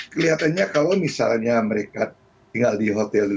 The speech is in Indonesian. kelihatannya kalau misalnya mereka tinggal di hotel luar